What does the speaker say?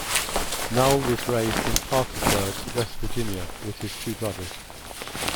Null was raised in Parkersburg, West Virginia, with his two brothers.